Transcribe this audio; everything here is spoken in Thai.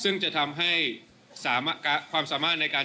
ซึ่งจะทำให้ความสามารถในการ